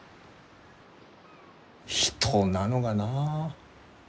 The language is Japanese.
人なのがなあ。